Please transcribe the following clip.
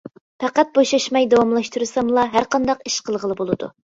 پەقەت بوشاشماي داۋاملاشتۇرساملا، ھەرقانداق ئىش قىلغىلى بولىدۇ.